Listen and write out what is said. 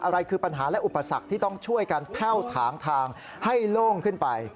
อะไรคือปัญหาและอุปสรรคที่ต้องช่วยกันแพ่วถางทางให้โล่งขึ้นไป